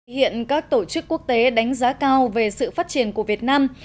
hiện các tổ chức quốc tế đánh giá cao về sự phát triển của việt nam